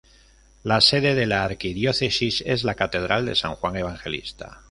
La sede de la Arquidiócesis es la Catedral de San Juan Evangelista.